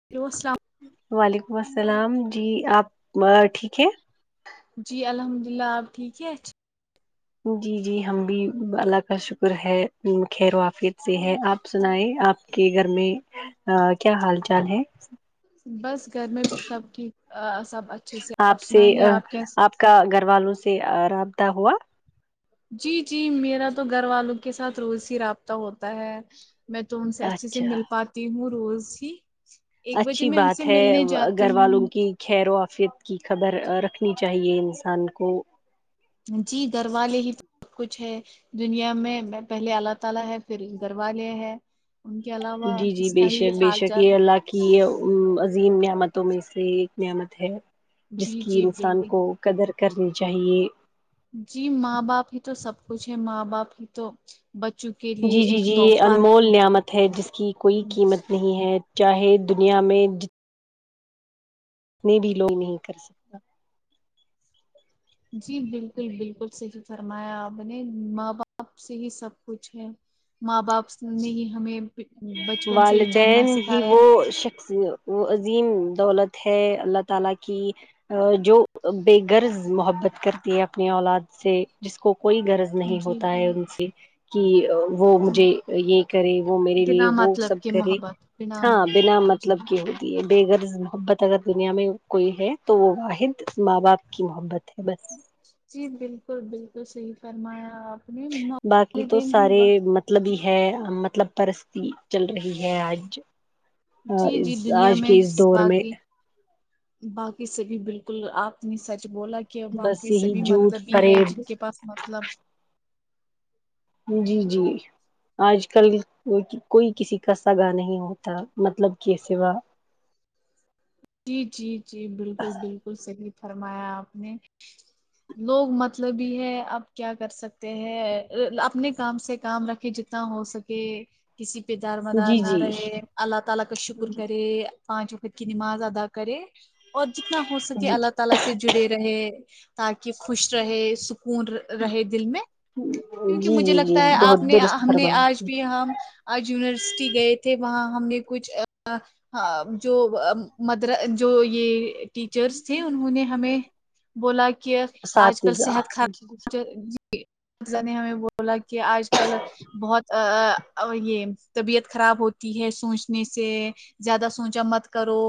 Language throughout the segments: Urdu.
[unintelligible] وعلیکم السلام جی آپ ٹھیک ہیں جی الحمد للہ آپ ٹھیک ہے جی جی ہم بھی اللہ کا شکر ہے خیر وافیت سے ہے آپ سنائیں آپ کہ گھر میں کیا حال چال ہے بس گھر میں بھی سب ٹھیک سب اچھ آپ سے آپ کا گھر والوں سے رابطہ ہوا جی جی میرا تو گھر والوں کے ساتھ روز ہی رابطہ ہوتا ہے میں تو ان سے اچھے سے اچھا مل پاتی ہوں روز ہی ایک بجے اچھی میں ان سے بات ہے ملنے جاتی گھر ہوں والوں کی خیر و آفیت کی خبر رکھنی چاہیے انسان کو جی گھر والے ہی سب کچھ ہے دنیا میں پہلے اللہ تعالی ہے پھر گھروا لے ہے ان کے علاوہ جی جی کس بے کا ہی شک بے حال شک چال یہ اللہ کہ عظیم نعمتوں میں سے ایک نعمت ہے جس جی کی جی انسان بالکل کو قدر کرنی چاہیے جی ماں باپ ہی تو سب کچھ ہے ماں باپ ہی تو بچوں کے لیے جی جی ایک جی یہ تحفہ ہے انمول نعمت ہے جس کی کوئی قیمت نہیں ہیں چاہے دنیا میں جتنے اتنے بھی لوگ نہیں کر سکتے جی بالکل بالکل صحیح فرمایا آپ نے ماں باپ سے ہی سب کچھ ہے ماں باپ نے ہی ہمیں بچپن سے ہی چلنا والدین ہی سکھایا وہ ہے شخص وہ عظیم دولت ہے اللہ تعالی کی جو بےغرض محبت کرتی ہے اپنے اولاد سے جس کو کوئی غرض نہیں جی ہوتا جی ہے ان سے کہ وہ مجھے یہ کرے وہ میرے لیے بنا وہ مطلب سب کے کرے محبت بنا ہاں مطلب بنا کے جی مطلب کہ ہو بےغرض محبت اگر دنیا میں کوئی ہے تو وہ واحد ماں باپ کی محبت ہے بس جی بالکل بالکل صحیح فرمایا آپ نے باقی تو والدین ہی سارے وقت مط مطلبی ہے مطلب پرستی چل رہی ہے آج جی اس جی دنیا آج میں کے اس دور میں باقی باقی سے بھی بالکل آپ نے سچ بولا کہ کہ بس باقی یہی سبھی جھوٹ مطلب بھی ہے جن فریب کے پاس مطلب جی جی آج کل کوئی کسی کا سگا نہیں ہوتا مطلب کےسوا جی جی جی بالکل بالکل صحیح فرمایا آپ نے لوگ مطلب بھی ہے اب کیا کر سکتے ہیں اپنے کام سے کام رکھے جتنا ہو سکے کے کسی پہ دار مدار جی نہ جی رہے اللہ تعالی کا شکر کرے پانچ وقت کی نماز کرے اور جتنا ہو سکے جی اللہ تعالی سے سے جڑے رہے تاکہ خوش رہے سکون رہے دل میں کیونکہ جی مجھے جی جی لگتا ہے آپ بہت نے درست ہم نے آج فرمایا بھی ہم آج یونیورسٹی گئے تھے وہاں ہم نے کچھ ا جو ا مدر جو یہ ٹیچرس تھے انہوں نے ہمیں بولا کہ آج کل اساتذہ صحت جی خراب ا نے ہمیں بولا کہ آج کل بہت یہ طبیعت خراب ہوتی ہے سوچنے سے زیادہ سونچا مت کرو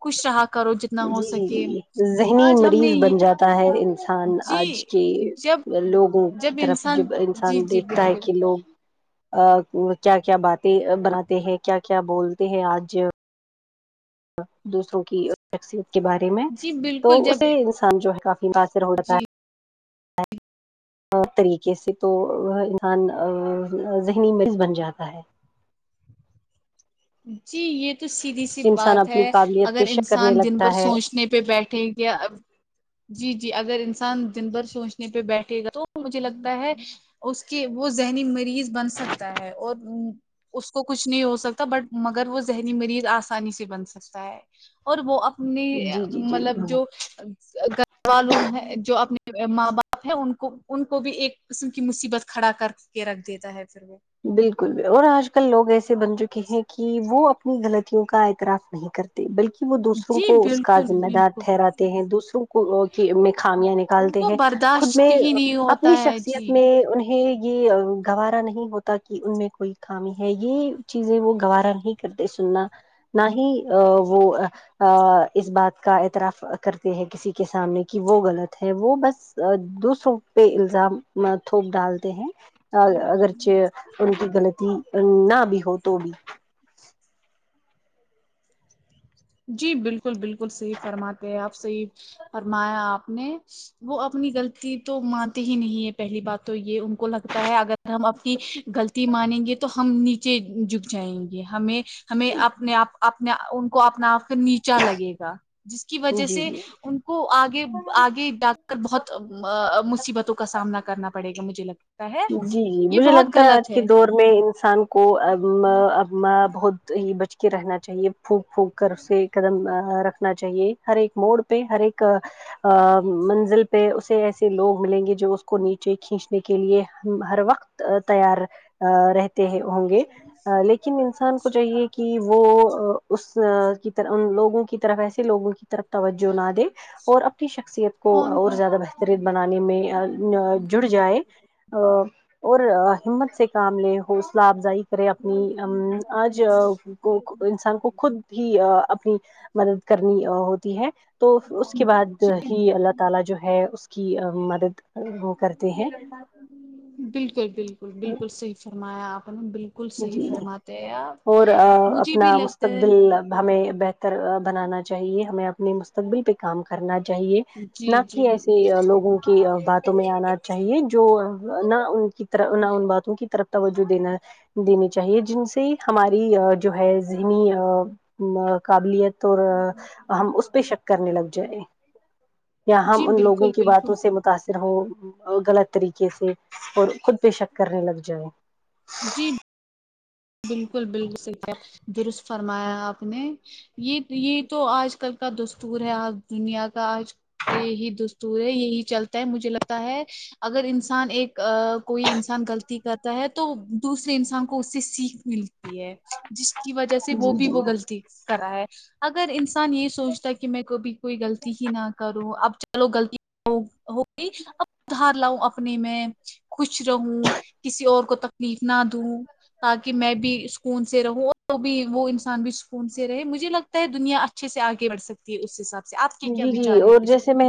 خوش رہا کرو جتنا ہو جی سکے جی ذہنی آج ہم نے مریض یہ بن جاتا ہے انسان جی آج کے جب لوگوں جب کی طرف انسان جب جی انسان جی دیکھتا ہے بالکل کہ لوگ کیا کیا باتیں بناتے ہیں کیا کیا بولتے ہیں آج دوسروں کی شخصیت کے بارے میں جی تو بالکل جب اسے انسان جو ہے کافی متاثر ہو بتا جی ہے طریقے سے تو انسان ذہنی مریض بن جاتا ہے جی یہ تو سیدھی سی انسان بات اپنی ہے قابلیت پہ اگر شک کرنے انسان دن بھر لگتا ہے سوچنے پہ بیٹھے ٹھیک ہے جی جی اگر انسان دن بھر سوچنے پہ بیٹھے گا تو مجھے لگتا ہے اس کے وہ ذہنی مریض بن سکتا ہے اور اس کو کچھ نہیں ہو سکتا تو بٹ مگر وہ ذہنی مریض آسانی سے بن سکتا ہے اور وہ اپنی جی جی جی مطلب جو گھر والالو ہے جو اپنے ماں باپ ہے ان کو ان کو بھی ایک قسم کی مصیبت کھڑا کر کے کے رکھ دیتا ہے پھر وہ بالکل اور آج کل لوگ ایسے بن چکے ہیں کہ وہ اپنی غلطیوں کا اعتراف نہیں کرتے بلکہ وہ دوسروں جی کو اس کا بالکل ذمہ دار بالکل ٹھہراتے ہیں دوسروں کو خامیاں ان نکالتے کو ہیں خود برداشت میں ہی نہیں ہوتا اپنی ہے شخصیت جی میں ان یہ گوارا نہیں ہوتا تکہ ان میں کوئی خامی ہے یہ چیزیں وہ گوارا نہیں کرتے سننا نہ ہی ا وہ آ اس بات کا اعتراف کرتے ہیں کسی کے سامنے کہ وہ غلط ہے وہ بس دوسرو پہ الزام تھوک ڈالتے ہیں اگر چہ ان کی غلط نہ بھی ہو تو بھی جی بالکل بالکل صحیح فرماتے ہیں آپ صحیح فرمایا آپ نے وہ اپنی غلطی تو مانتے ہی نہیں ہے پہلی بات تو یہ ان کو لگتا ہے اگر ہم اپنی غلط مانیں گے تو ہم نیچے جک جائیں گے ہمیں ہمیں اپنے آپ ان کو اپنا آپ کا نیچا لگے گا جس کی وجہ جی سے جی ان کو آگے آگے ڈاک کر بہت مصیبتوں کا سامنا کرنا پڑے گا مجھے لگتا ہے جی جی یہ مجھے بہت لگتا آج غلط کے ہے دور میں انسان کو اب مہ اب مہ بہت ہی بچ کے رہنا چاہیے پھونک پھونک کر اسے قدم رکھنا چاہیے ہر ایک موڑ پہ ہر ایک آ منزل پہ اسے ایسے لوگ ملیں گے جو اس کو نیچے کھینچنے کے لیے ہم ہر وقت تیار رہتے ہوں گے لیکن لن انسان کو چاہیے کہ وہ اس کی طرح ان لوگوں کی طرف ایسے لوگوں کی طرف توجہ نا دے اور اپنی شخصیت کو اور زیادہ بہترین بنانے میں جڑ جائے اور ہمت سے کام لیں حوصلہ افزائی کرے اپنی آج انسان کو خود ہی اپنی مدد کرنی ہوتی ہے تو اس کے بعد ہی اللہ تعالی جو ہے اس کی مدد وہ کرتے ہیں بالکل بالکل بالکل صحیح فرمایا آپ نے بالکل صحیح جی فرماتے ہیں آپ اور مجھے بھی اپنا لگتا ہے مستقبل ہمیں بہتر بنانا چاہیے ہمیں اپنے مستقبل پہ کام کرنا چاہیے نہ جی جی کہ ایسی بالکل لوگوں کی باتوں میں آنا چاہیے جو نہ ان کی طر نہ ان باتوں کی طرف توجہ دینا دینی چاہیے جن سے ہماری جو ہے ذہنی قابلیت تو ہم اس پہ شک کرنے لگ جائیں یا ہم جی ان لوگوں بالکل کی باتوں بالکل سے متاثر ہو غلط طریقے سے اور خود بے شک کرنے لگ جائے جی بالکل بالکل سحی درست فرمایا آپ نے یہ یہ تو آج کل کا دستور ہے آج دنیا کا آج یہی دستور ہے یہی چلتا ہے مجھے لگتا ہے اگر انسان ایک کوئی انسان غلطی کرتا ہے تو تو دوسرے انسان کو اس سے سیکھ ملتی ہے جس کی وجہ سے وہ جی بھی جی وہ غلط کرا ہے اگر انسان یہ سوچتا ہے کہ میں کبھی کوئی غلطی ہی نہ کروں اب چلو غلط ہو ہوگئی ادھار لاؤ نے میں خوش رہوں کسی اور کو تکلیف نہ دوں کہ میں بھی اسکون سے رہوں تو بھی وہ انسان بھی سکون سے رہے مجھے لگتا ہے دنیا اچھے سے آگے بڑھ سکتی ہے اس حساب سے آپ کی جی جی اور جیسے میں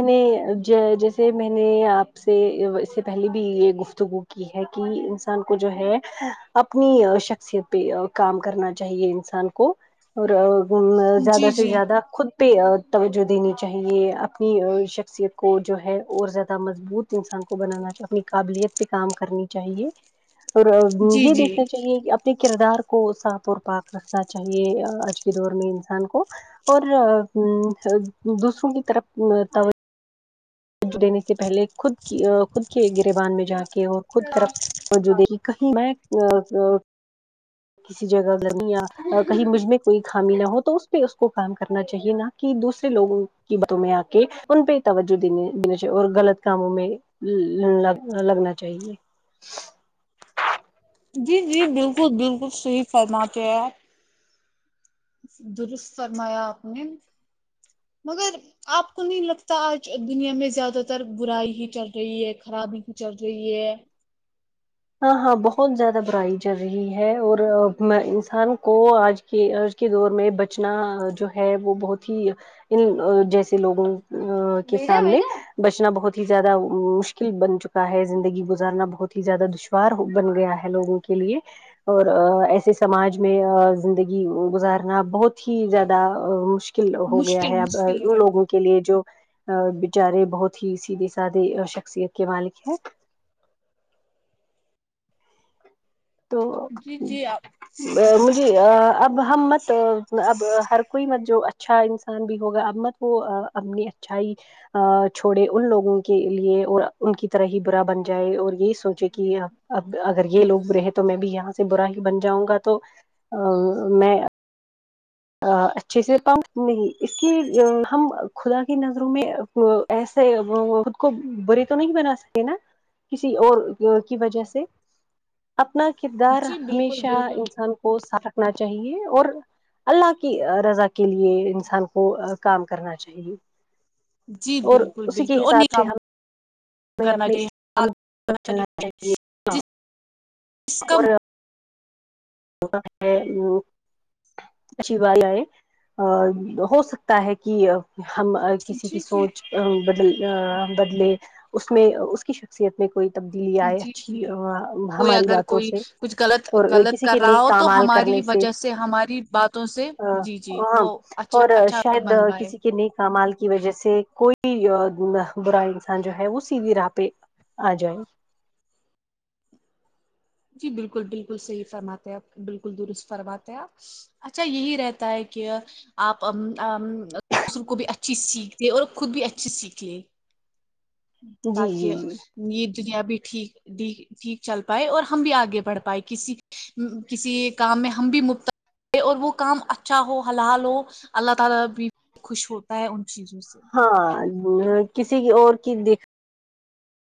ج جیسے سے میں نے آپ سے اس سے پہلے بھی یہ گفتگو کی ہے کہ انسان کو جو ہے اپنی شخصیت پہ کام کرنا چاہیے انسان کو اور مے زیادہ جی سے جی زیادہ خود پہ توجہ دینی چاہیے اپنی شخصیت کو جو ہے اور زیادہ مضبوط انسان کو بنانا چ جو اپنی قابلیت پہ کام کرنی چاہیے اور جی یہ دیکھ جی اپنے کردار کو صاپ اور پاک رکھنا چاہیے آج کے دور میں انسان کو اور دوسروں کی طرف تو دینے سے پہلے خود کی خود کے گریبان میں جنکھئے کے اور خود کر مجود کہیں میں کسی جگہ گرمیا کہیں مجھ میں کوئی خامی نہ ہو تو اس پہ اس کو کام کرنا چاہیے نا کی دوسرے لوگوں کی باتوں میں آ کے ان پہ توجہ دینے دین چاہیے اور غلط کاموں میں ل ل لگنا چاہیے جی جی بالکل بالکل صحیح فرماتے ہیں درست فرمایا آپ نے مگر آپ کو نہیں لگتا آج دنیا میں زیادہ تر برائی ہی چل رہی ہے خرابی بھی چل رہی ہے ہاں ہاں بہت زیادہ برائی چل رہی ہے اور انسان کو آج کہ آج کے دور میں بچنا جو ہے وہ بہت ہی ان جیسے لوگوں کے سامنے بچانا بہت ہی زیادہ مشکل بن چکا کا ہے زندگی گزارنا بہت ہی زیادہ دشوار بن گیا ہے لوگوں کے لیے اور ایسے سماج میں زندگی گزارنا بہت ہی زیادہ مشکل ک ہو گیا مشکل ہے اب مشکل ان رہتا لوگوں کے لیے جو بچارے بہت ہی سیدھے سادے شخصیت کے مالک ہے تو جی جی آپ مجھے اب ہم مت اب ہر کوئی مت جو اچھا انسان بھی ہوگا ابت وہ اپنی اچھائی ا چھوڑے ان لوگوں کے لیے اور ان کی طرح ہی برا بن جائے اور یہ سوچے کی اب اب اگر یہ لوگ برے ہے تو میں بھی یہاں سے برا ہی بن جاؤں گا تو ا میں اچھے سے پہچ نہیں اس کی ہم خدا کی نظروں میں وہ ایسے خود کو برے تو نہیں بنا سکے نا کسی اور کی وجہ سے اپنا کردار جی بالکل ہمیشہ بالکل انسان کو ساف رکھنا چاہیے اور اللہ کی رضا کے لیے انسان کو کام کرنا چاہیے جی اور بالکل اسی بالکل کے اور حساب نہیں سے کام ہمیں کرنا اپنے چاہیے اسلام چلنا [unintelligible] چ [unintelligible] جس کا اور [unintelligible] اچھی بات ہے ا ہو سکتا ہے کہ ہم کسی کی جی جی سوچ بدل بدلے اس میں اس کی شخصیت میں کوئی تبدیلی آئے جی اچھی جی کوئی ہماری اگر باتوں کوئی سے کچھ غلط اور غلط کسی کے رہا ہو نیک تو اعمال ہماری کرنے وجہ سے ہماری باتوں سے آ، جی جی ہاں وہ اچھا اور اچھا شاید بن پائے کسی کے نیک اعمال کی وجہ سے کوئی برا انسان جو ہے وہ سیدھی راہ پہ آ جاؤ جی بالکل بالکل صحیح فرماتے ہیں آپ بالکل درست فرماتے آپ اچھا یہی رہتا ہے کہ آپ دوسروں کو بھی اچھی سیکھ دیں اور خود بھی اچھی سیکھ لے جی تاکہ جی جی یہ دنیا بھی ٹھیک ٹھیک چل پائے اور ہم بھی آگے بڑھ پائے کسی کسی کام میں ہم بھی مبتلا اور وہ کام اچھا ہو حلال ہو اللہ تعالی بھی خوش ہوتا ہے ان چیزوں سے ہاں کسی کی اور کی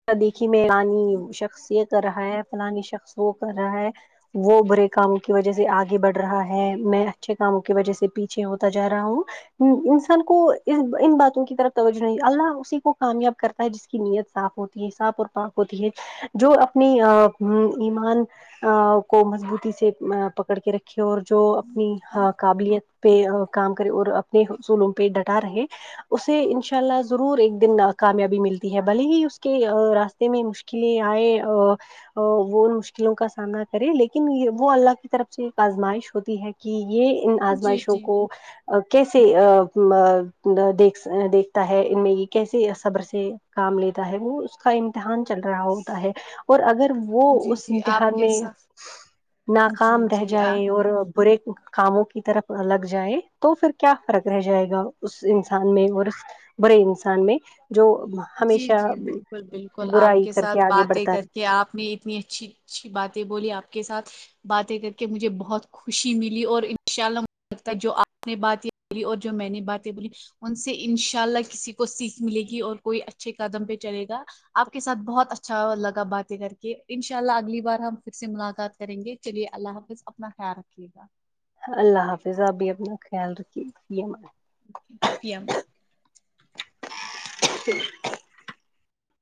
دیکھا دیکھی میں فلانی شخص یہ کر رہا ہے فلانی شخص وہ کر رہا ہے وہ برے کام کی وجہ سے آگے بڑھ رہا ہے میں اچھے کاموں کی وجہ سے پیچھے ہوتا جا رہا ہوں انسان کو ان باتوں کی طرف توجہ نہیں اللہ اسی کو کامیاب کرتا ہے جس کی نیت صاف ہو تی ہے صاف اور پاک ہوتی ہے جو اپنے ایمان کو مضبوطی سے پکڑ کے رکھے اور جو اپنی قابلیت پہ کام کرے اور اپنے اصولوں پہ ڈٹا رہے اسے ان شاء اللہ ضرور ایک دن نہ کامیابی ملتی ہے بھلے ہی اس کہ راستے میں مشکلیں آئے وہ ان مشکلوں کاسامنا کرے لیکن وہ اللہ کی طرف سےایک آزمائش ہوتی ہے کی یہ ان جی آزمائشوں جی کو کیسے دیک دیکھتا ہے ان میں یہ کیسے صبر سے کام لیتا ہے وہ کا امتحان چل رہا ہوتا ہے اور اگر وہ جی اس جی آپ امتحان کے میں ساتھ جی ناکام رہ جی آ جائے اور برے کاموں کی طرف لگ جائے تو پھر کیا فرق رہ جائے گا اس انسان میں اور برے انسان میں جو جی ہمیشہ جی بالکل بالکل آپ برائی کے کر ساتھ آگے باتیں بڑھتا رہتا کر کہ آپ نے اتنی اچھی اچھی باتیں بولی آپ کے ساتھ باتیں کر کے مجھے بہت خوشی ملی اور ان شاء اللہ مجھے لگتا ہے جو آپ نے باتیں بولی اور جو میں نے باتیں بولی ان سے ان شاء اللہ کسی کو سیکھ ملے گی اور کوئی اچھے قدم پہ چلے گا آپ کے ساتھ بہت اچھا لگا باتیں کر کے ان شاء اللہ اگلی بار ہم پھر سے ملاقات کریں گے چلیے اللہ حافظ اپنا خیال رکھیے گا اللہ حافظ اب بھی اپنا خیال رکھیے فی امان اللہ فی امان اللہ ی [inaudible]